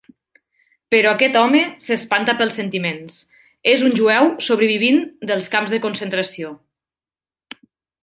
Però aquest home s'espanta pels sentiments: és un jueu sobrevivint dels camps de concentració.